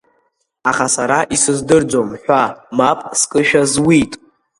Аха сара исыздырӡом ҳәа, мап скшәа зуит.